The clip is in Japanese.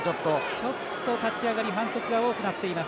ちょっと立ち上がり反則が多くなっています。